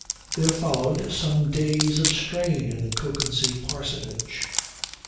There followed some days of strain in the Kökensee parsonage.